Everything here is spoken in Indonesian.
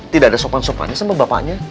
tidak ada sopan sopannya sama bapaknya